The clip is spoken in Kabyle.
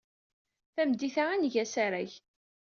Tameddit-a, ad d-neg asarag.